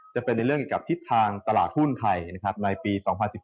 จะเป็นในเรื่องเกี่ยวกับทิศทางตลาดหุ้นไทยในปี๒๐๑๙